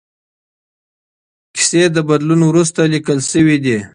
کیسې د بدلون وروسته لیکل شوې دي.